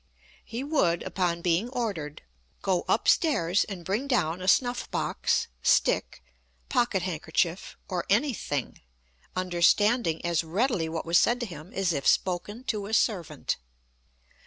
He would, upon being ordered, go up stairs and bring down a snuff box, stick, pocket handkerchief, or anything, understanding as readily what was said to him as if spoken to a servant.